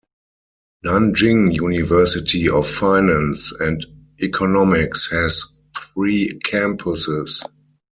Nanjing University of Finance and Economics has three campuses.